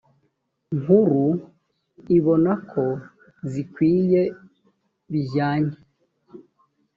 nkuru ibona ko zikwiye bijyanye